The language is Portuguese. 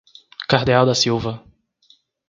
Cardeal da Silva